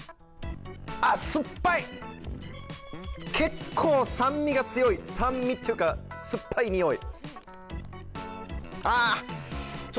結構、酸味が強い、酸味っていうか酸っぱいにおい。